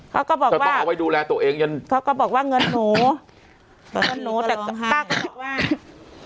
เขาก็บอกว่าเขาก็บอกว่าเงินหนูเดี๋ยวหนูแต่ป้าก็บอกว่า